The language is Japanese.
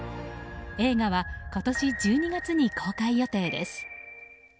映画は今年１２月に公開予定です。